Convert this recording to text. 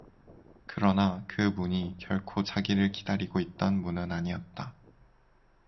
그러나 그 문이 결코 자기를 기다리고 있던 문은 아니었다.